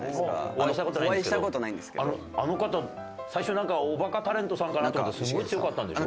あの方最初なんかおバカタレントさんかなんかすごい強かったんでしょう？